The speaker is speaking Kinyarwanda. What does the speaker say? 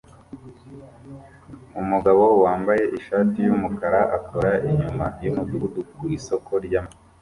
Umugabo wambaye ishati yumukara akora inyuma yumudugudu ku isoko ryamafi